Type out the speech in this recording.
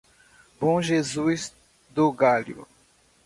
Bom Jesus do Galho